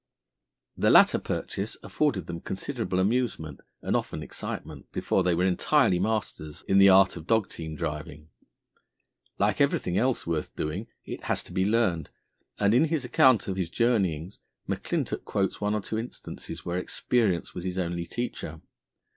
The latter purchase afforded them considerable amusement and often excitement before they were entirely masters in the art of dog team driving. Like everything else worth doing, it has to be learned, and in his account of his journeyings McClintock quotes one or two instances where experience was his only teacher.